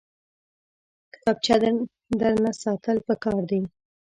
کتابچه درنه ساتل پکار دي